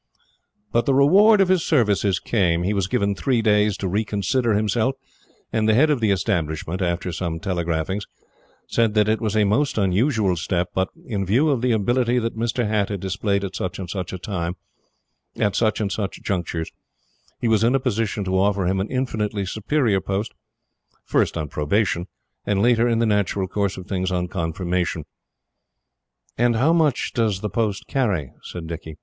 But the reward of his services came. He was given three days to reconsider himself, and the Head of the establishment, after some telegraphings, said that it was a most unusual step, but, in view of the ability that Mr. Hatt had displayed at such and such a time, at such and such junctures, he was in a position to offer him an infinitely superior post first on probation, and later, in the natural course of things, on confirmation. "And how much does the post carry?" said Dicky.